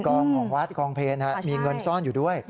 ของวัดคลองเพลมีเงินซ่อนอยู่ด้วย